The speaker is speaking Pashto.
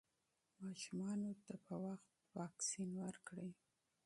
ماشومانو ته په وخت واکسین ورکړئ.